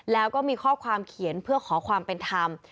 แล้วก็มีข้อความเขียนเพื่อขอความเป็นธรรม